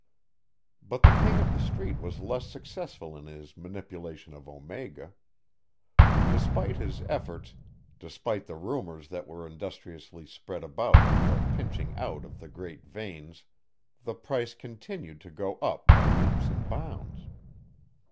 But the King of the Street was less successful in his manipulation of Omega. Despite his efforts, despite the rumors that were industriously spread about of the "pinching out" of the great veins, the price continued to go up by leaps and bounds.